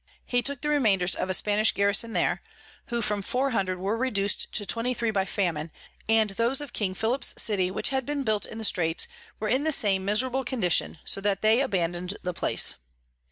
He took the Remainders of a Spanish Garison there, who from 400 were reduc'd to 23 by Famine; and those of King Philip's City, which had been built in the Straits, were in the same miserable Condition, so that they abandon'd the Place.